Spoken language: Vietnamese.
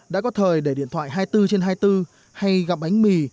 đã có thời để điện thoại hai mươi bốn trên hai mươi bốn hay gặp bánh mì